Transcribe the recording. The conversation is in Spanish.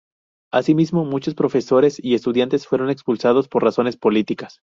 Así mismo, muchos profesores y estudiantes fueron expulsados por razones políticas.